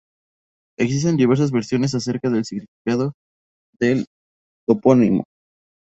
Existen diversas versiones acerca del significado del topónimo.